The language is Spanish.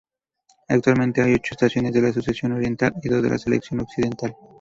Actualmente hay ocho estaciones de la sección oriental y dos en la sección occidental.